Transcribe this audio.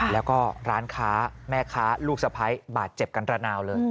และร้านค้าแม่ค้าลูกสะเพ้ย์บาดเจ็บกันตราหนาวเลย